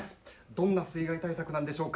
どんな水害対策なんでしょうか？